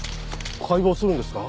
解剖するんですか？